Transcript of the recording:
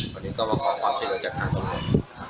วันนี้ก็ขอความช่วยละจันทรายแต่งตลอด